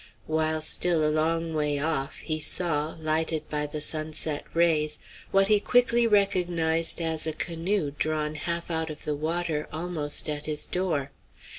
While still a long way off, he saw, lighted by the sunset rays, what he quickly recognized as a canoe drawn half out of the water almost at his door.